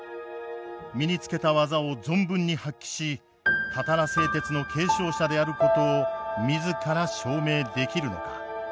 身につけた技を存分に発揮したたら製鉄の継承者であることを自ら証明できるのか。